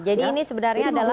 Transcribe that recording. jadi ini sebenarnya adalah